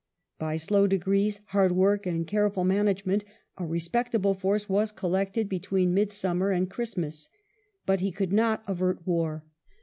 By slow degrees, hard work, and careful management, a respectable force was collected between midsummer and Christmas. But he could not avert war.